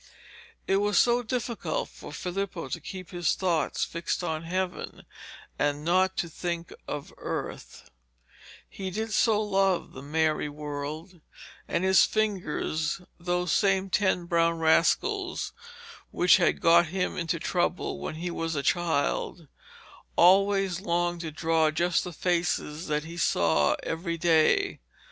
It was so difficult for Filippo to keep his thoughts fixed on heaven, and not to think of earth. He did so love the merry world, and his fingers, those same ten brown rascals which had got him into trouble when he was a child, always longed to draw just the faces that he saw every day.